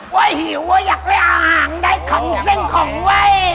ไว้หิวครับอยากให้อาหารได้ของฉันของไว้